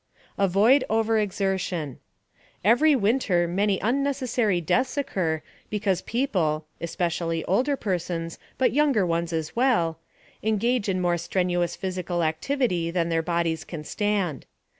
* AVOID OVEREXERTION. Every winter many unnecessary deaths occur because people especially older persons, but younger ones as well engage in more strenuous physical activity than their bodies can stand.